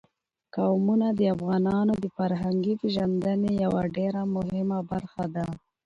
قومونه د افغانانو د فرهنګي پیژندنې یوه ډېره مهمه برخه ده.